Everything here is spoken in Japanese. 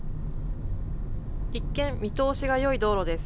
一見、見通しがよい道路です。